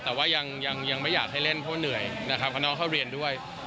แต่ว่ายังไม่อยากให้เล่นเพราะเหนื่อยนะครับเพราะน้องเข้าเรียนด้วย